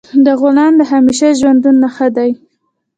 د غلام د همیشه ژوند نه ښه دی.